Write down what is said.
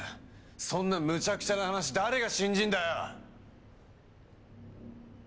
そんなむちゃくちゃな話誰が信じるんだよ！